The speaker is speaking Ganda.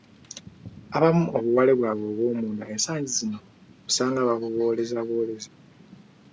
Abamu obuwale bwabwe obw'omunda ensangi zino osanga babubooleza bwoleza.